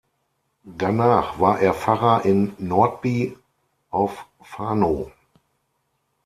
Danach war er Pfarrer in Nordby auf Fanø.